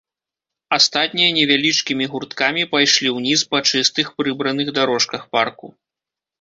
Астатнія невялічкімі гурткамі пайшлі ўніз па чыстых прыбраных дарожках парку.